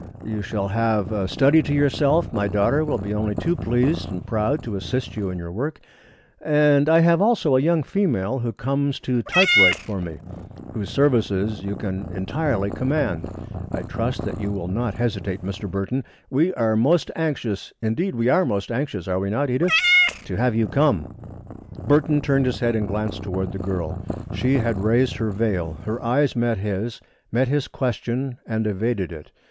You shall have a study to yourself, my daughter will be only too pleased and proud to assist you in your work, and I have also a young female who comes to type write for me, whose services you can entirely command. I trust that you will not hesitate, Mr. Burton. We are most anxious indeed we are most anxious, are we not, Edith? to have you come." Burton turned his head and glanced toward the girl. She had raised her veil. Her eyes met his, met his question and evaded it.